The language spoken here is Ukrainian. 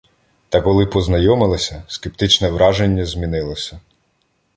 Та, коли познайомилися, скептичне враження змінилося.